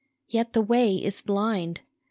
Yet the way is blind !